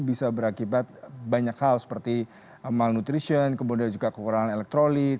bisa berakibat banyak hal seperti malnutrition kemudian juga kekurangan elektrolit